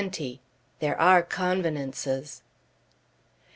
THERE ARE CONVENANCES.